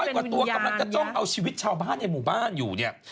กว่าตัวกำลังจะจ้องเอาชีวิตชาวบ้านในหมู่บ้านอยู่เนี่ย